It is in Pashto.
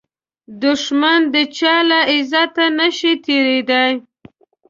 دښمن د چا له عزته نشي تېریدای